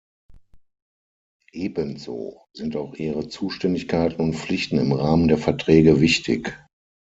Ebenso sind auch Ihre Zuständigkeiten und Pflichten im Rahmen der Verträge wichtig.